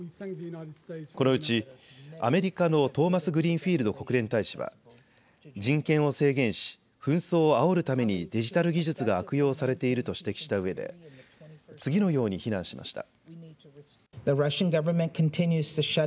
このうちアメリカのトーマスグリーンフィールド国連大使は人権を制限し紛争をあおるためにデジタル技術が悪用されていると指摘したうえで次のように非難しました。